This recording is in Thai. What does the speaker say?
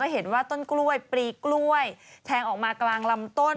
เห็นว่าต้นกล้วยปลีกล้วยแทงออกมากลางลำต้น